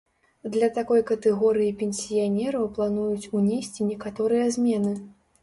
Для такой катэгорыі пенсіянераў плануюць унесці некаторыя змены.